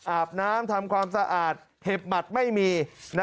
อาบน้ำทำความสะอาดเห็บหมัดไม่มี